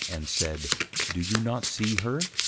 _ and said, _Do you not see her?